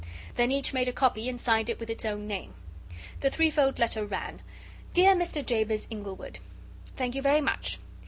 Then each made a copy and signed it with its own name. The threefold letter ran: "Dear Mr. Jabez Inglewood, Thank you very much.